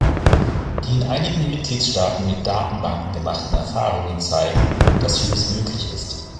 Die in einigen Mitgliedstaaten mit Datenbanken gemachten Erfahrungen zeigen, dass vieles möglich ist.